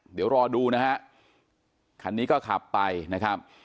เดี๋ยวรอดูนะฮะคันนี้ก็ขับไปนะครับ